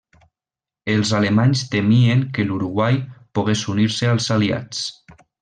Els alemanys temien que l'Uruguai pogués unir-se als Aliats.